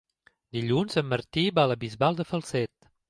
Dilluns en Martí va a la Bisbal de Falset.